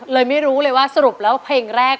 เลยไม่รู้เลยว่าสรุปแล้วเพลงแรก